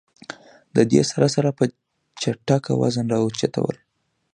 د دې سره سره پۀ جټکه وزن را اوچتول